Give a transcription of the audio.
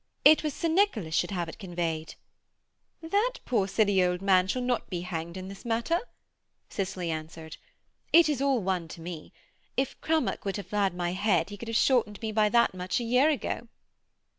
'It was Sir Nicholas should have it conveyed.' 'That poor, silly old man shall not be hanged in this matter,' Cicely answered. 'It is all one to me. If Crummock would have had my head he could have shortened me by that much a year ago.'